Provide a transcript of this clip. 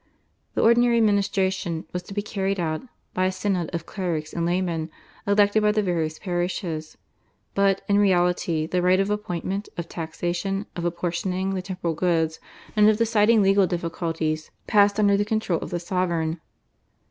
The ordinary administration was to be carried out by a synod of clerics and laymen elected by the various parishes, but, in reality, the right of appointment, of taxation, of apportioning the temporal goods, and of deciding legal difficulties passed under the control of the sovereign.